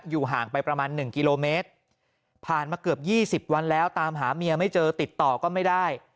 ห่างไปประมาณ๑กิโลเมตรผ่านมาเกือบ๒๐วันแล้วตามหาเมียไม่เจอติดต่อก็ไม่ได้